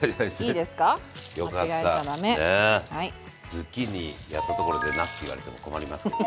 ズッキーニやったところでなすって言われても困りますけど。